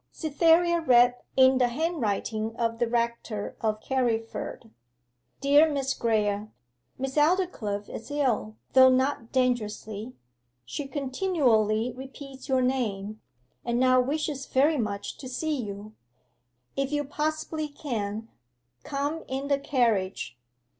Cytherea read in the handwriting of the Rector of Carriford: 'DEAR MISS GRAYE, Miss Aldclyffe is ill, though not dangerously. She continually repeats your name, and now wishes very much to see you. If you possibly can, come in the carriage.